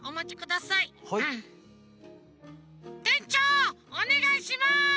てんちょうおねがいします！